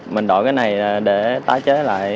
mình đổi cái này để tái chế lại